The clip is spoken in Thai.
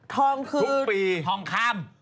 ทองคือทองคำ